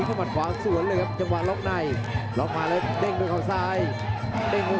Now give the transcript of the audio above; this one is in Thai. จังหวังฝั่งหน้าของอาร์ภิวัทแก้สถานการณ์ได้ดีครับ